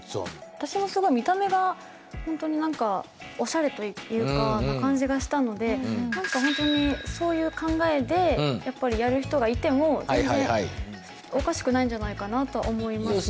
私もすごい見た目がほんとに何かオシャレというかな感じがしたので何か本当にそういう考えでやっぱりやる人がいても全然おかしくないんじゃないかなと思いますね。